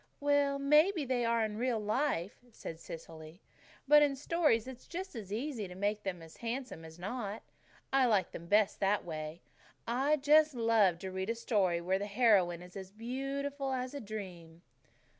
"Well, maybe they are in real life," said Cecily, "but in stories it's just as easy to make them handsome as not. I like them best that way. I just love to read a story where the heroine is beautiful as a dream."